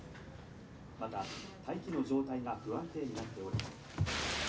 「また大気の状態が不安定になっており」